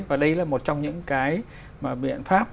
và đây là một trong những cái mà biện pháp